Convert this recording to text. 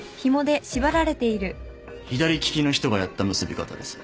左利きの人がやった結び方です。